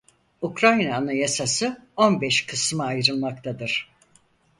Ukrayna Anayasası on beş kısma ayrılmaktadır: